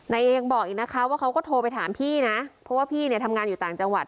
เองบอกอีกนะคะว่าเขาก็โทรไปถามพี่นะเพราะว่าพี่เนี่ยทำงานอยู่ต่างจังหวัด